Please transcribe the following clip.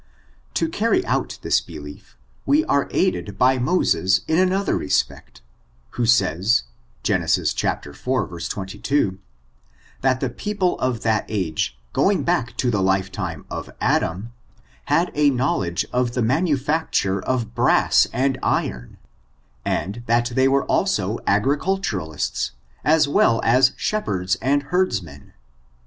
To cany out this belief we are aided by Moses in anoth er respect, who sa]rs, Gen. iv, 22, that the people of ^bat age, going back to the lifetime of Adam, had a knowledge of the manu&cture of brass and iron, and that they were also agriculturists, as well as shep herds and herdsmen.